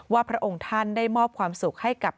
พระองค์ท่านได้มอบความสุขให้กับ